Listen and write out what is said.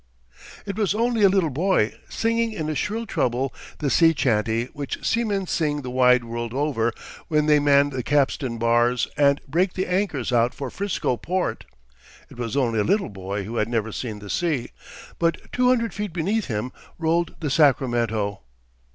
It was only a little boy, singing in a shrill treble the sea chantey which seamen sing the wide world over when they man the capstan bars and break the anchors out for "Frisco" port. It was only a little boy who had never seen the sea, but two hundred feet beneath him rolled the Sacramento.